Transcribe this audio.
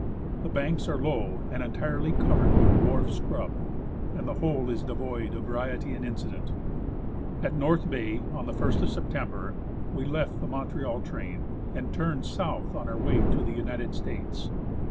The banks are low and entirely covered with dwarf scrub, and the whole is devoid of variety and incident. At North Bay, on the ist of September, we left the Montreal train, and turned south on our way to the United States.